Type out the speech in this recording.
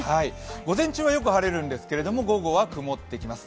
午前中はよく晴れるんですけれども、午後は曇ってきます。